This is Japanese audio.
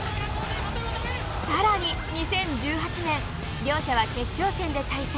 さらに２０１８年両者は決勝戦で対戦。